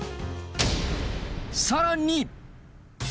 さらに。